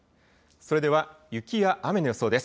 それでは雪や雨の予想です。